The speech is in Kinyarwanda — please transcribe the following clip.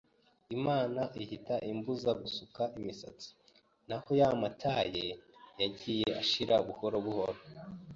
Imana ihita imbuza gusuka imisatsi, naho ya matailles yagiye ashira buhoro buhoro